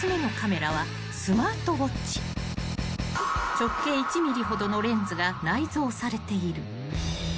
［直径１ｍｍほどのレンズが内蔵されている］